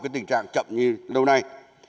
tình trạng chậm như lâu nay